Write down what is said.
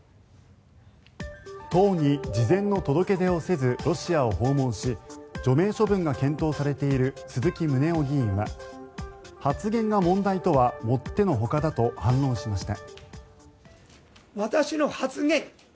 党に事前の届け出をせずロシアを訪問し除名処分が検討されている鈴木宗男議員は発言が問題とはもってのほかだと反論しました。